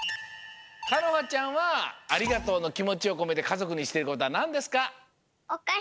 かのはちゃんはありがとうのきもちをこめてかぞくにしていることはなんですか？